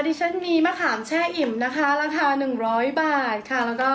ริชันมีมะขามแช่อิ่มราคา๑๐๐บาท